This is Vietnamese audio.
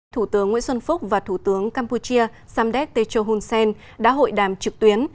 thủ tướng nguyễn xuân phúc và thủ tướng campuchia samdet techo hun sen đã hội đàm trực tuyến